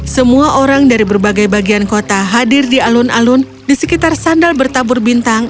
semua orang dari berbagai bagian kota hadir di alun alun di sekitar sandal bertabur bintang